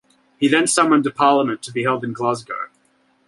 He then summoned a Parliament to be held in Glasgow.